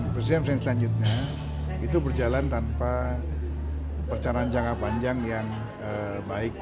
presiden presiden selanjutnya itu berjalan tanpa percaraan jangka panjang yang baik